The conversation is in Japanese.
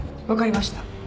わかりました。